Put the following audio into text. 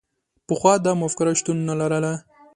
پخوا دا مفکوره شتون نه لرله.